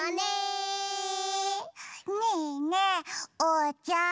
ねえねえおうちゃん。